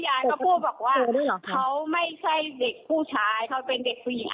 ยายก็พูดบอกว่าเขาไม่ใช่เด็กผู้ชายเขาเป็นเด็กผู้หญิง